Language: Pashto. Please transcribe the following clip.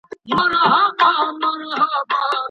مارکيټونه بې ساتونکو نه وي.